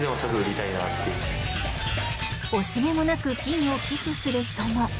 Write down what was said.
惜しげもなく金を寄付する人も。